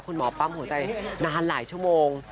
หมอปั๊มหัวใจนานหลายชั่วโมง